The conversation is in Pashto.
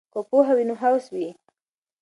که پوهه وي نو هوس وي.